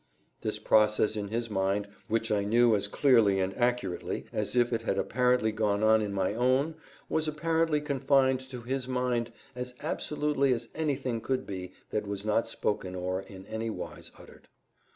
This process in his mind, which I knew as clearly and accurately as if it had apparently gone on in my own, was apparently confined to his mind as absolutely as anything could be that was not spoken or in any wise uttered.